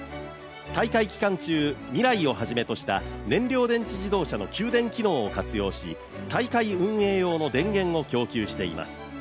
大会期間中、ＭＩＲＡＩをはじめとした燃料電池自動車の給電機能を活用し大会運営用の電源を供給しています。